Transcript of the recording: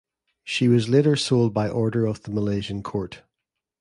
She was later sold by order of the Malaysian court.